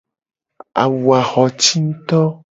Awu a xo ci nguto.